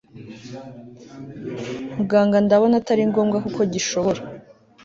Muganga ndabona atari ngombwa kuko gishobora